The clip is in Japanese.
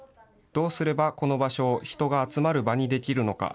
どうすればこの場所を人が集まる場にできるのか。